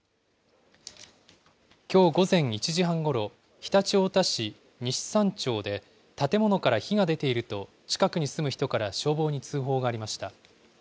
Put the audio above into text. きょう午前１時半ごろ、常陸太田市西三町で、建物から火が出ていると近くに住む人から消防に通報がありました。